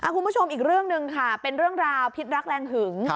คุณผู้ชมอีกเรื่องหนึ่งค่ะเป็นเรื่องราวพิษรักแรงหึง